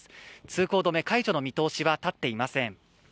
通行止め解除の見通しは立っていません。